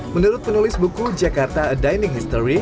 menurut penulis buku jakarta a dining history